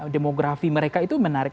demografi mereka itu menarik